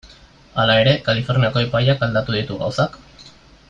Hala ere, Kaliforniako epaiak aldatuko ditu gauzak?